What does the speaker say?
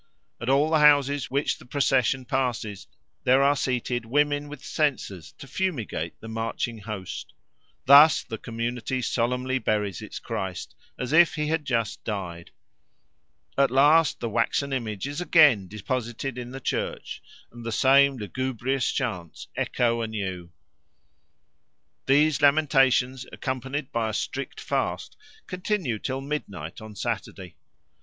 At all the houses which the procession passes there are seated women with censers to fumigate the marching host. Thus the community solemnly buries its Christ as if he had just died. At last the waxen image is again deposited in the church, and the same lugubrious chants echo anew. These lamentations, accompanied by a strict fast, continue till midnight on Saturday.